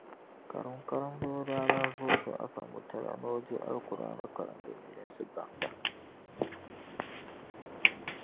Karim karimdiba daa lahi vooti Afa Mutala ni o di Alikuraani karimbu milinsi baŋda.